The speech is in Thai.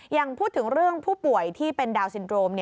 ยังพูดถึงเรื่องผู้ป่วยที่เป็นดาวนซินโรม